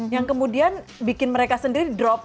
yang kemudian bikin mereka sendiri drop